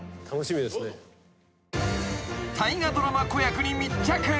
［大河ドラマ子役に密着］